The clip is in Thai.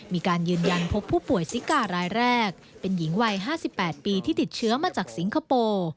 มีการยืนยันพบผู้ป่วยซิการายแรกเป็นหญิงวัย๕๘ปีที่ติดเชื้อมาจากสิงคโปร์